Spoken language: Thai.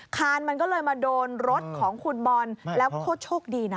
คานมันก็เลยมาโดนรถของคุณบอลแล้วก็โชคดีนะ